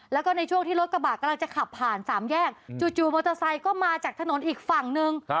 แล้วก็ในช่วงที่รถกระบะกำลังจะขับผ่านสามแยกจู่มอเตอร์ไซค์ก็มาจากถนนอีกฝั่งนึง